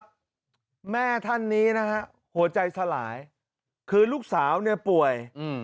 แม่ท่านนี้นะฮะหัวใจสลายคือลูกสาวเนี่ยป่วยอืม